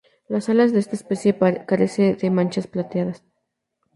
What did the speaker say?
Las alas de esta especie carece de manchas plateadas.